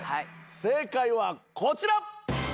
正解はこちら。